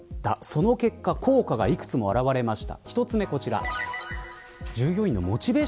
その結果効果が幾つも現れました。